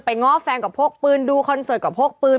ง้อแฟนก็พกปืนดูคอนเสิร์ตก็พกปืน